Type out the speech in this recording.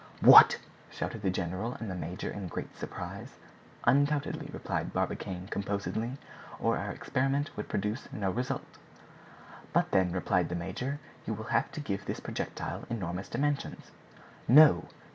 "What?" shouted the general and the major in great surprise. "Undoubtedly," replied Barbicane composedly, "or our experiment would produce no result." "But then," replied the major, "you will have to give this projectile enormous dimensions." "No!